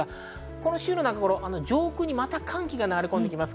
今週の中頃、上空に寒気が流れ込んできます。